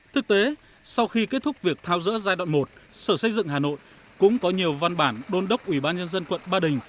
thực tế sau khi kết thúc việc thao dỡ giai đoạn một sở xây dựng hà nội cũng có nhiều văn bản đôn đốc ủy ban nhân dân quận ba đình